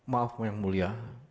maaf yang mulia